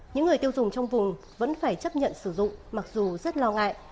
những người tiêu dùng trong vùng vẫn phải chấp nhận sử dụng mặc dù rất lo ngại